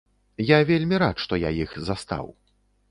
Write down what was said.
Я вельмі рад, што я іх застаў.